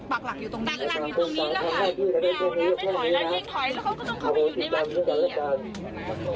ปากหลังอยู่ตรงนี้แล้วค่ะไม่เอานะไม่ถอยแล้วยิ่งถอยแล้วเขาก็ต้องเข้าไปอยู่ในวัดที่นี่